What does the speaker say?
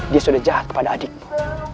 dia sudah jahat kepada adikmu